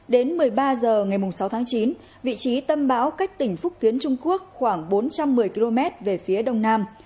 đến một mươi ba h ngày sáu tháng chín vị trí tâm bão cách tỉnh phúc kiến trung quốc khoảng bốn trăm một mươi km về phía đông nam